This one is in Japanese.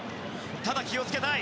ただ気をつけたい。